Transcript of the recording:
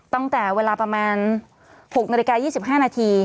ตั้งแต่เวลาประมาณ๖๒๕นาที